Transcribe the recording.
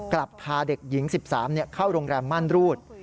กลับพาเด็กหญิงที่๑๓ปีเนี่ยเข้าโรงแรมมานรูต